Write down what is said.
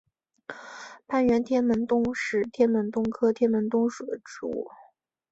攀援天门冬是天门冬科天门冬属的植物。